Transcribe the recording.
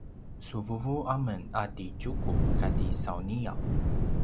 su vuvu amen a ti Tjuku kati sauniaw